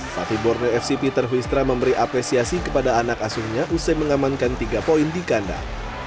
fati borneo fc peter huistra memberi apresiasi kepada anak asuhnya usai mengamankan tiga poin di kandang